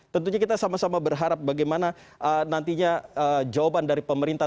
tentunya kita sama sama berharap bagaimana nantinya jawaban dari pemerintah